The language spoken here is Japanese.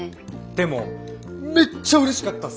でもめっちゃうれしかったっす。